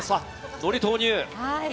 のりを投入。